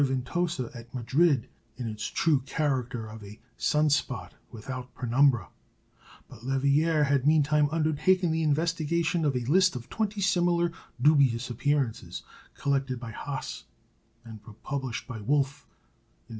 Ventosa at Madrid in its true character of a sun spot without penumbra; but Leverrier had meantime undertaken the investigation of a list of twenty similar dubious appearances, collected by Haase, and republished by Wolf in 1872.